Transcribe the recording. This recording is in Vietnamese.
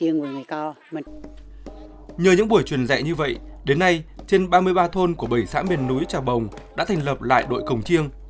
nhờ những buổi truyền dạy như vậy đến nay trên ba mươi ba thôn của bảy xã miền núi trà bồng đã thành lập lại đội cổng chiêng